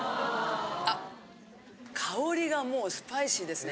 あっ香りがもうスパイシーですね。